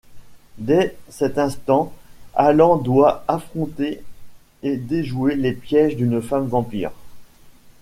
Dès cet instant, Allan doit affronter et déjouer les pièges d'une femme vampire...